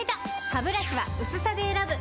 ハブラシは薄さで選ぶ！